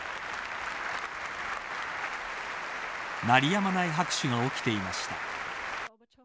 鳴りやまない拍手が起きていました。